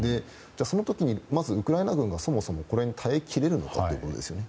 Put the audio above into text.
その時にウクライナ軍がこれに耐え切れるのかという点ですよね。